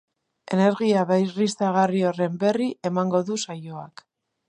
Energia berriztagarri horren berri emango du saioak.